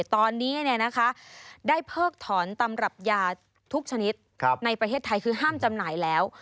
ตอนนี้ได้เพิกถอนตำรับยาทุกชนิดในประเทศไทยคือห้ามจำหน่ายแล้ว